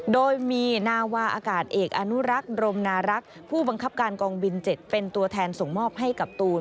โดยมีนาวาอากาศเอกอนุรักษ์ดรมนารักษ์ผู้บังคับการกองบิน๗เป็นตัวแทนส่งมอบให้กับตูน